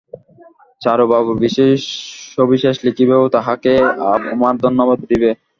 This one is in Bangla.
চারুবাবুর বিষয় সবিশেষ লিখিবে ও তাঁহাকে আমার ধন্যবাদ দিবে।